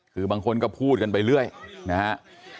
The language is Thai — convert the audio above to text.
คือบางคนก็พูดกันไปเรื่อยนะฮะ